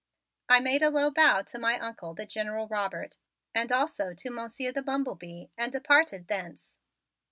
I made a low bow to my Uncle, the General Robert, and also to Monsieur the Bumble Bee and departed thence.